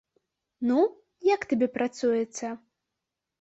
Ну, як табе працуецца?